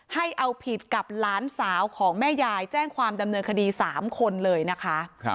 ให้เอาผิดกับหลานสาวของแม่ยายแจ้งความดำเนินคดี๓คนเลยนะคะ